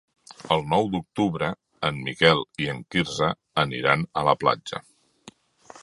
El nou d'octubre en Miquel i en Quirze aniran a la platja.